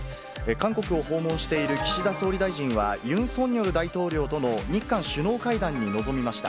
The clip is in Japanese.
韓国を訪問している岸田総理大臣は、ユン・ソンニョル大統領との日韓首脳会談に臨みました。